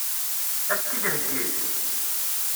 Ad as-tt-id-heggint?